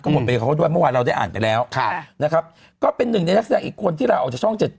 ก็ผมไปเข้าด้วยเมื่อวานเราได้อ่านไปแล้วนะครับก็เป็นหนึ่งในนักแสดงอีกคนที่เราออกจากช่อง๗